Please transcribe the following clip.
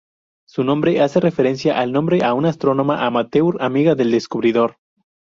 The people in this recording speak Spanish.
Su nombre hace referencia al nombre a una astrónoma amateur amiga del descubridor.